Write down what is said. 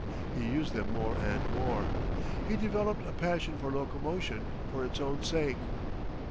He used them more and more. He developed a passion for locomotion for its own sake.